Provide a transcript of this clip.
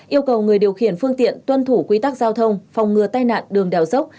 yêu cầu người điều khiển phương tiện tuân thủ quy tắc giao thông phòng ngừa tai nạn đường đèo dốc